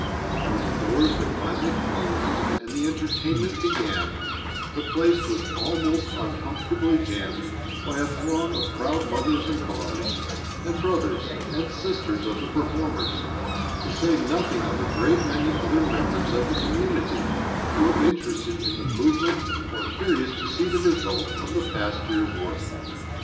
When the doors were finally closed and the entertainment began, the place was almost uncomfortably jammed by a throng of proud mothers and fathers and brothers and sisters of the performers, to say nothing of a great many other members of the community who were interested in the movement or curious to see the result of the past year's work.